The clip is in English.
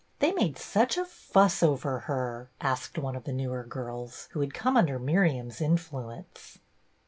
They made such a fuss over her," asked one of the newer girls, who had come under Miriam's influence.